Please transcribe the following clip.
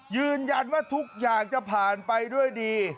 ยืนยันว่าทุกอย่างจะผ่านไปด้วยดี